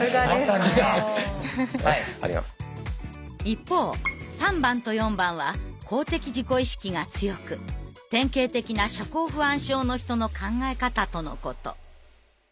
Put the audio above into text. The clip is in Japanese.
一方３番と４番は公的自己意識が強く典型的な社交不安症の人の考え方とのこと。